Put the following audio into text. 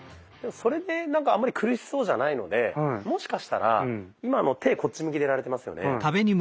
それであんまり苦しそうじゃないのでもしかしたら今の手こっち向きでやられてますよね。